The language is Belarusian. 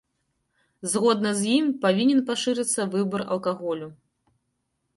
Згодна з ім павінен пашырыцца выбар алкаголю.